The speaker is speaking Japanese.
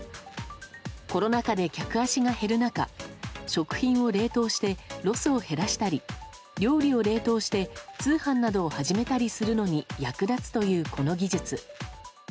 コロナ禍で客足が減る中食品を冷凍してロスを減らしたり料理を冷凍して通販などを始めたりするのに役立つというこの技術。